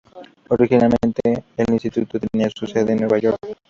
Originalmente, el Instituto tenía su sede en Nueva York.